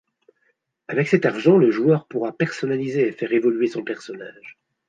Avec cet argent le joueur pourra personnaliser et faire évoluer son personnage.